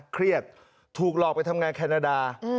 เครียดถูกหลอกไปทำงานแคนาดา